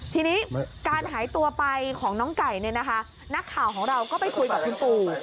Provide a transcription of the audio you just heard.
ทีนี้การหายตัวไปของน้องไก่เนี่ยนะคะนักข่าวของเราก็ไปคุยกับคุณปู่